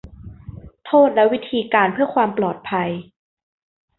โทษและวิธีการเพื่อความปลอดภัย